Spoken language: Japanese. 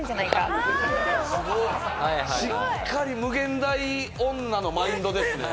しっかり∞女のマインドですね。